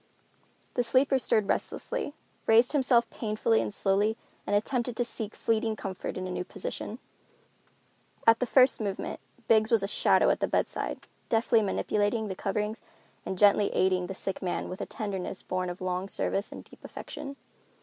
The sleeper stirred restlessly, raised himself painfully and slowly, and attempted to seek fleeting comfort in a new position. At the first movement Biggs was a shadow at the bedside, deftly manipulating the coverings and gently aiding the sick man with a tenderness born of long service and deep affection.